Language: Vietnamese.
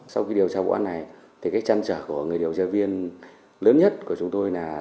sau khi điều tra vụ án này thì cái trăn trở của người điều tra viên lớn nhất của chúng tôi là